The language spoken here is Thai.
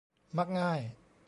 มักง่าย